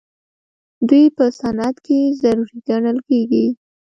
دوی په صنعت کې ضروري ګڼل کیږي.